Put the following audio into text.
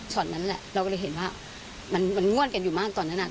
นั่นแหละเราก็เลยเห็นว่ามันง่วนกันอยู่มากตอนนั้น